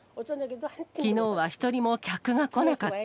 きのうは１人も客が来なかった。